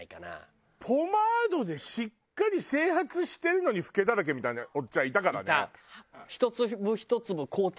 ポマードでしっかり整髪してるのにフケだらけみたいなおっちゃんいたからね。